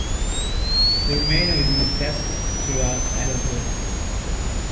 They remain within the testes throughout adulthood.